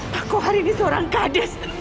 pak kauh hari ini seorang kades